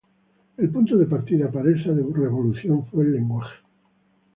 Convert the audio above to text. El punto de partida para esta revolución fue el lenguaje.